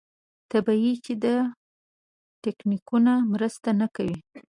طبیعي ده چې دا تکتیکونه مرسته نه کوي.